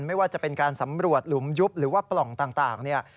ไม่ว่าจะเป็นการสำรวจหลุมยุบหรือว่าปล่องต่างเนี่ย